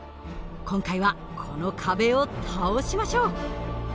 今回はこの壁を倒しましょう。